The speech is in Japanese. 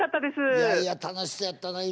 いやいや楽しそうやったな今も。